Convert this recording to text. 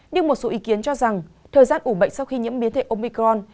nhưng một số ý kiến cho rằng thời gian ủ bệnh sau khi nhiễm biến thể omicron